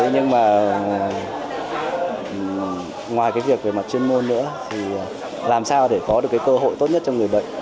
nhưng mà ngoài cái việc về mặt chuyên môn nữa thì làm sao để có được cái cơ hội tốt nhất cho người bệnh